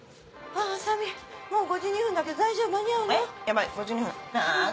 麻美もう５２分だけど大丈夫？間に合うの？